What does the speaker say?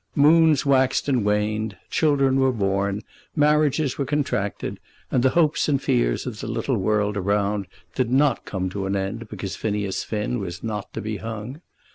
Moons waxed and waned; children were born; marriages were contracted; and the hopes and fears of the little world around did not come to an end because Phineas Finn was not to be hung.